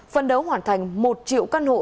phần đấu hoàn thành một triệu căn hộ